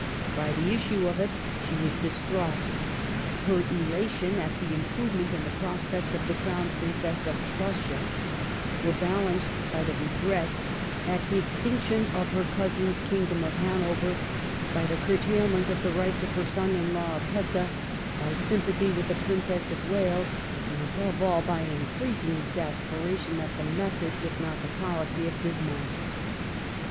By the issue of it she was distraught. Her elation at the improvement in the prospects of the Crown Princess of Prussia were balanced by the regret at the extinction of her cousin's Kingdom of Hanover, by the curtail ment of the rights of her son in law of Hesse, by sympathy with the Princess of Wales, and above all by increasing exasperation at the methods, if not the policy, of Bismarck.